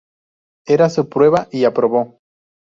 Era su prueba, y aprobó.